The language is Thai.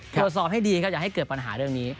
ตรวจสอบให้ดีครับอย่าให้เกิดปัญหาเรื่องนี้